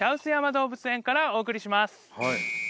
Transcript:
動物園からお送りします